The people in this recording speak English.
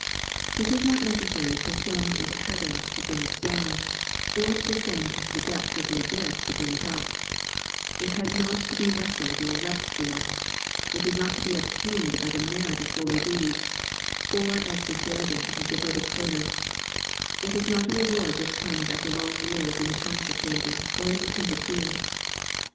It is not necessary to ascend into Heaven to bring it down, or to descend into the Depth of the Abyss to bring it up ; it has not to be wrestled or wept for ; it is not to be obtained by the merit of holy deeds, or as the guerdon of devoted service ; it is not a reward which comes after long years in the council chamber or on the tented field.